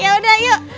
ya udah yuk